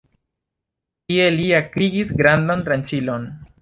Tie li akrigis grandan tranĉilon.